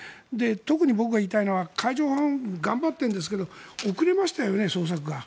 特に僕が言いたいのは海上保安本部も頑張っているんですが遅れましたよね、捜索が。